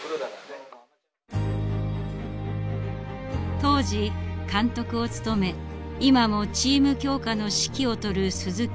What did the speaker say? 当時監督を務め今もチーム強化の指揮を執る鈴木満。